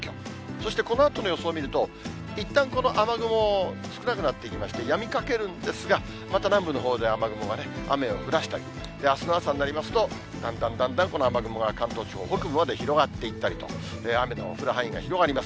そして、このあとの予想を見ると、いったんこの雨雲、少なくなっていきまして、やみかけるんですが、また南部のほうで雨雲が雨を降らしたり、あすの朝になりますと、だんだんだんだんこの雨雲が関東地方北部まで広がっていったりと、雨の降る範囲が広がります。